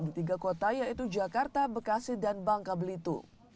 di tiga kota yaitu jakarta bekasi dan bangka belitung